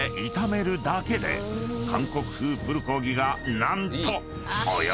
［韓国風プルコギが何と］